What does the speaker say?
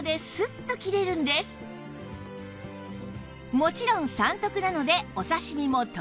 もちろん三徳なのでお刺し身も得意